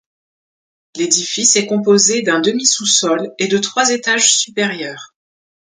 L'édifice est composé d'un demi sous-sol et de trois étages supérieurs.